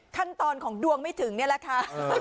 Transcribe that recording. ขั้นตอนของดวงไม่ถึงนี่แหละค่ะ